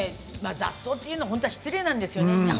雑草というのは失礼なんですよね。